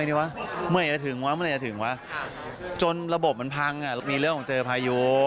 มีเรื่องมีเรื่องของเจอผ่ายุ